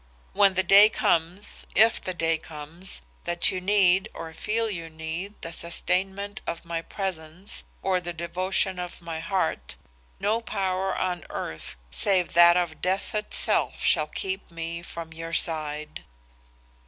When the day comes if the day comes that you need or feel you need the sustainment of my presence or the devotion of my heart, no power on earth save that of death itself, shall keep me from your side.